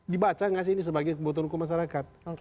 dibaca nggak sih ini sebagai kebutuhan hukum masyarakat